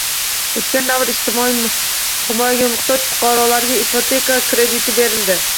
Oʻtgan davr ijtimoiy himoyaga muhtoj fuqarolarga ipoteka krediti berildi.